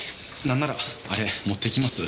なんならあれ持って行きます？